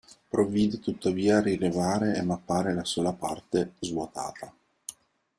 Provvide tuttavia a rilevare e mappare la sola parte svuotata.